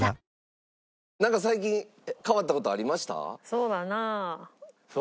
そうだなあ。